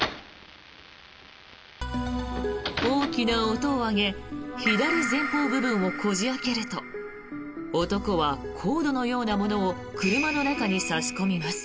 大きな音を上げ左前方部分をこじ開けると男はコードのようなものを車の中に差し込みます。